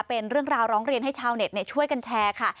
เป็นเรื่องราวร้องเรียนให้ชาวเน็ตช่วยกันแชร์ค่ะ